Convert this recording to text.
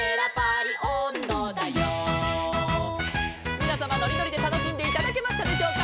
「みなさまのりのりでたのしんでいただけましたでしょうか」